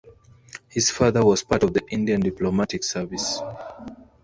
His father was part of the Indian diplomatic service.